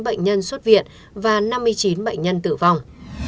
bảy trăm bốn mươi chín bệnh nhân xuất viện và năm mươi chín bệnh nhân tử vong